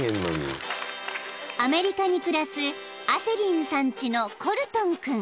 ［アメリカに暮らすアセリンさんちのコルトン君］